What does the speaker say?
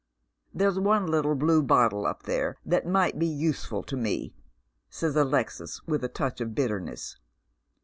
" There's one little blue bottle up there that might be useful to me," Bays Alexis, with a touch of bitterness.